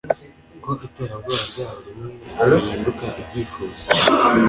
ko iterabwoba ryabo rimwe rihinduka ibyifuzo